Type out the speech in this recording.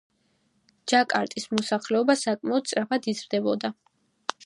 ჯაკარტის მოსახლეობა საკმაოდ სწრაფად იზრდებოდა.